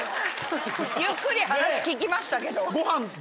ゆっくり話聞きましたけど。